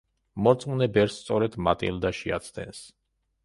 მორწმუნე ბერს სწორედ მატილდა შეაცდენს.